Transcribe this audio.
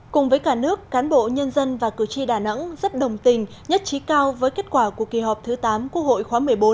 cùng với cả nước cán bộ nhân dân và cử tri đà nẵng rất đồng tình nhất trí cao với kết quả của kỳ họp thứ tám quốc hội khóa một mươi bốn